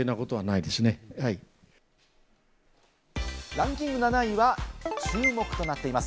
ランキング７位は注目となっています。